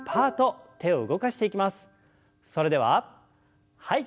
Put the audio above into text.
それでははい。